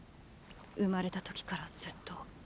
生まれた時からずっと。